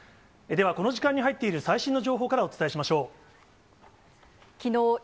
では、この時間に入っている最新の情報からお伝えしましょう。